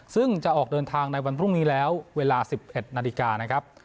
ซึ่งจะออกเดินทางในวันพรุ่งนี้แล้วเวลา๑๑นาฬิกานะครับ